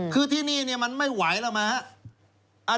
คือที่นี่มันไม่ไหวแล้วมั้งครับ